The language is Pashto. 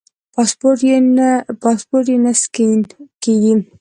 پاسپورټ یې نه سکېن کېږي.